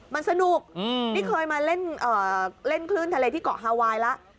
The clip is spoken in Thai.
มันสนุกนี่เคยมาเล่นคลื่นทะเลที่เกาะฮาไวน์แล้ว